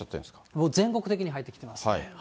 もう全国的に入ってきてますね。